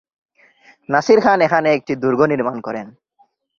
নাসির খান এখানে একটি দুর্গ নির্মাণ করেন।